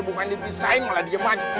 bukan ini bisain malah diem aja